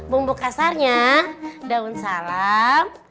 bumbu kasarnya daun salam